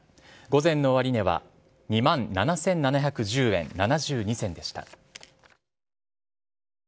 午前の終値は２万７７１０円７２銭でした。